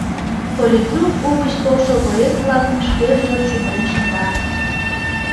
Политрук угыч толшо боец-влакым шкеж йыр чумырен шында.